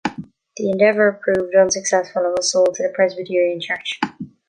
The endeavour proved unsuccessful and was sold to the Presbyterian Church.